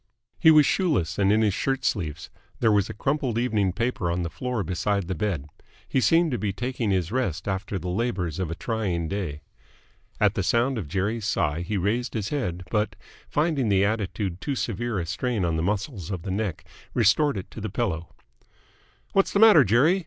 He was shoeless and in his shirt sleeves. There was a crumpled evening paper on the floor beside the bed. He seemed to be taking his rest after the labours of a trying day. At the sound of Jerry's sigh he raised his head, but, finding the attitude too severe a strain on the muscles of the neck, restored it to the pillow. "What's the matter, Jerry?